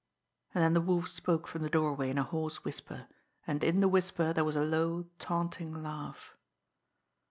And then the Wolf spoke from the doorway in a hoarse whisper, and in the whisper there was a low, taunting laugh.